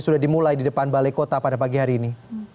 sudah dimulai di depan balai kota pada pagi hari ini